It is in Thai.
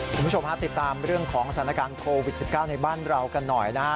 คุณผู้ชมฮะติดตามเรื่องของสถานการณ์โควิด๑๙ในบ้านเรากันหน่อยนะฮะ